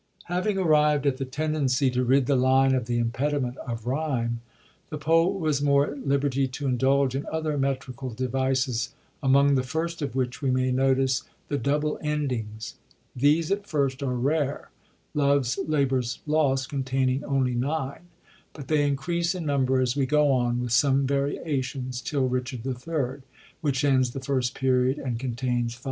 Having arrived at the tendency to rid the line of the impediment of ryme, the poet was more at liberty to indulge in other metrical devices, among the first of which we may notice the double endings. These at first are rare,^ Lovers Labour's L&st containing only 9, but they increase in number, as we go on, with some variations, till Richard III, which ends the First Period and contains 670.